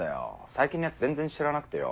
最近のやつ全然知らなくてよ。